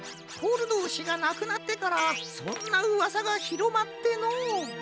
コルドー氏がなくなってからそんなうわさがひろまってのう。